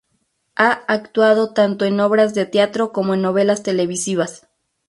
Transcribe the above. Ha actuado tanto en obras de teatro como en novelas televisivas.